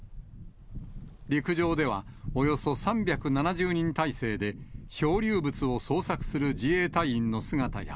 陸上では、およそ３７０人態勢で、漂流物を捜索する自衛隊員の姿が。